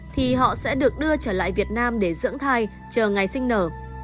thì họ sẽ được đưa trở lại việt nam để dưỡng thai chờ ngày sinh nở